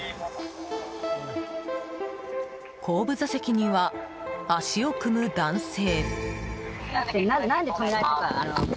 後部座席には足を組む男性。